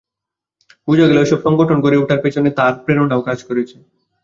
বোঝা গেল এসব সংগঠন গড়ে ওঠার পেছনে তাঁর প্রেরণাও কাজ করেছে।